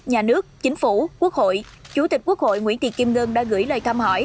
nhà nước chính phủ quốc hội chủ tịch quốc hội nguyễn thị kim ngân đã gửi lời thăm hỏi